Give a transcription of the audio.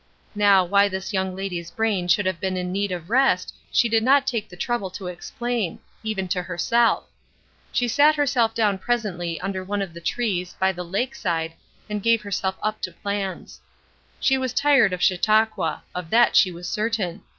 Now, why this young lady's brain should have been in need of rest she did not take the trouble to explain, even to herself. She sat herself down presently under one of the trees by the lake side and gave herself up to plans. She was tired of Chautauqua; of that she was certain.